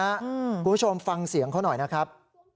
คุณผู้ชมฟังเสียงเขาหน่อยนะครับ